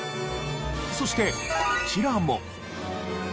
そしてこちらも。